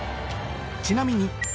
ちなみに